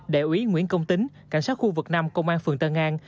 đại úy nguyễn công tính cảnh sát khu vực năm công an phường tân an